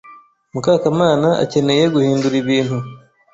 Mukakamana akeneye guhindura ibintu.